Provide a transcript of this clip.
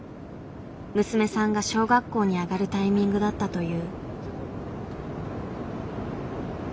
娘さんが小学校に上がるタイミングだったという。